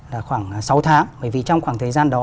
là khoảng sáu tháng bởi vì trong khoảng thời gian đó